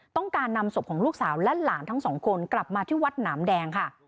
ต้องการนำศพของลูกสาวและหลานทั้งสองคนกลับมาที่วัดหนามแดงค่ะ